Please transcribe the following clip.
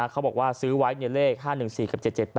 เขาบอกว่าซื้อไว้ในเลข๕๑๔กับ๗๗๘